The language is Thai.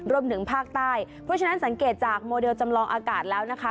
รวมถึงภาคใต้เพราะฉะนั้นสังเกตจากโมเดลจำลองอากาศแล้วนะคะ